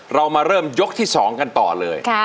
เรามาเริ่มยกที่๒กันต่อเลย